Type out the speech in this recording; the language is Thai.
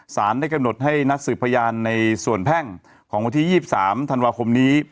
สารได้กำหนดให้นัดสืบพยานในส่วนแพ่งของวันที่๒๓ธันวาคมนี้